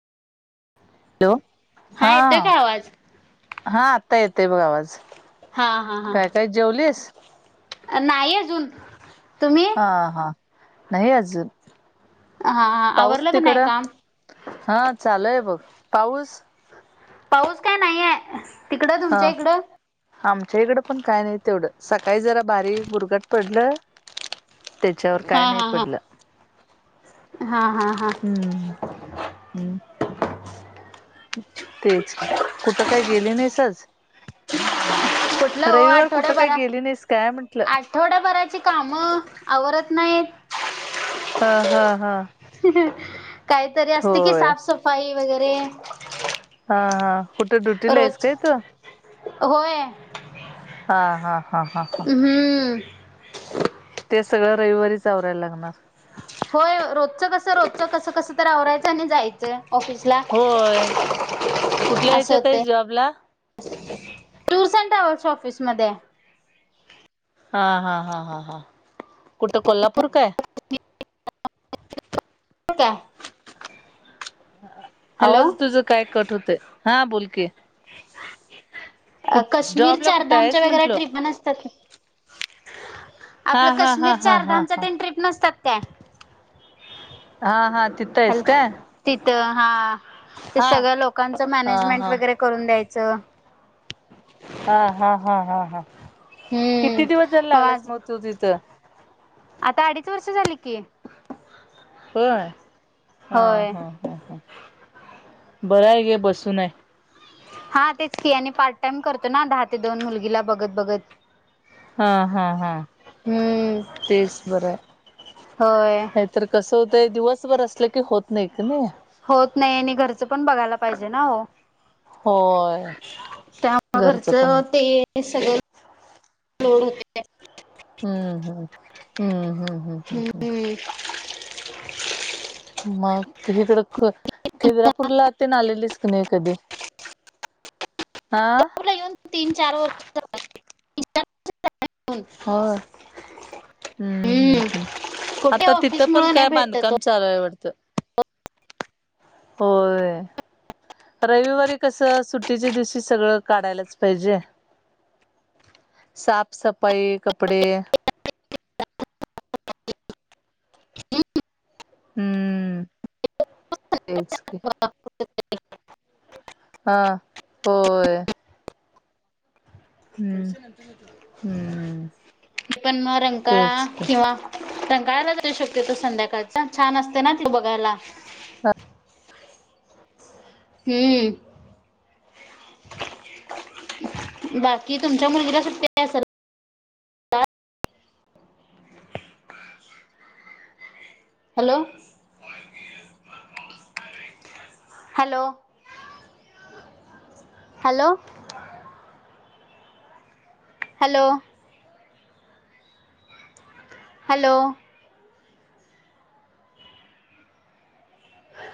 Hello हा येतोय काय आवाज हा आता येतय बघ आवाज. हा हा काय हा काय जेवलीस? नाही अजून तुम्ही? हा हा नाही आजूव हा हा पाऊस आवरलं का नाही तिकडं? काम हा चालू आहे बघ पाऊस. पाऊस काय नाहीये तिकडं हा तुमच्या इकडं? आमच्या इकडं पण काय नाही तेवढं सकाळी जरा बारीक बुरघट पडलं. त्याच्यावर हा काय नाही हा हा पडलं हा हा हा. हम् हम् [inaudible] [unintelligible] तेच कुठं काही गेली नाहीस आज? कुठलं हो रविवार कुठं काही गेली नाहीस काय म्हंटलं? थोड्याभराची कामं आवरत नाहीत. हा हा हा काहीतरी असते कि साफसफाई वगैरे. हा हा. कुठे ड्युटीला आहेस रोज काय तू होय. हा हा हा हा हा. हम्म ते सगळं रविवारीच आवरायला लागणार. होय रोजचं कसं रोजचं कसं कसं तर आवरायचं आणि जायचं. ऑफिस ला होय कुठल्या असं ह्याच्यात आहेस होतय. जॉबला? टूअर्स अँड ट्रॅव्हल्स च्या ऑफिस मध्ये. हा हा हा हा हा कुठं कोल्हापूर काय? हो काय. हॅलो आवाज तुझ काय कट होते हा बोलकी. अ काश्मीर जॉबला कुठं आहेस चारधामच्या वगैर म्हंटलं? ट्रीपा नसत्यात काय हा आपलं हा हा कश्मीरच्या हा हा अर्धामच्या हा. तीन ट्रीप नसतात काय हा हा तित - हॅल तिथं हा ते हा. सगळ्या लोकांचं हा मॅनेजमेंट हा वगैरे, करून द्यायचं. हा हा हा हा हा हम्म किती दिवस जायला लागलास आज मग तू तिथं? आता अडीच वर्ष झाली की. प हा होय. हा ह ह बरं आहे घे बसूनय. हा तेच की आणि पार्ट टाइम करतो ना दहा ते दोन मुलगीला बघत बघत. हा हा हा हम्म तेच बर होय आहे. तर कसं होतंय दिवसभर असलं की होत नाही का नाही. होत नाही आणि घरचं पण बघायला पाहिजे ना हो. होय त्या घरचं ते सगळं, हो. हम्मम हम्म हम्म हम्म हम्म. हम्. मग हिकडं ख ह [inaudible] तुळजा पूर ला ते न आलेलीस क नाही कधी हा, तीन चार वर्ष झाली. होय हम्म हम्म हम्म कुठे आता तिथं ऑफिस पण मुळे नाही काय भेटत ओ. बांधकाम चालूयवडतं. होय. रविवारी कसं सुट्टीच्या दिवशी सगळं काढायलाच पाहिजे. साफसफाई कपडे. [inaudible] हम्म तेच की. हा होय. हम्म हम्म. पण मग रंगकाळा तेच की किंवा, रंकाळला तरी शक्यतो संध्याकाळचा छान असते ना त बघायला. हम्म. बाकी तुमच्या मुलगीला सुट्ट्या hello. Hello. Hello. Hello hello.